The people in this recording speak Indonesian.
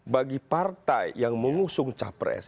bagi partai yang mengusung capres